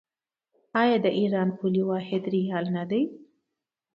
آیا د ایران پولي واحد ریال نه دی؟